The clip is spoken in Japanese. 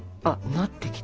なってきた。